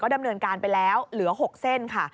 ดำเนินการไปแล้วเหลือ๖เส้นค่ะ